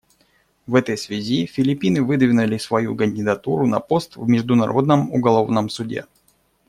В этой связи Филиппины выдвинули свою кандидатуру на пост в Международном уголовном суде.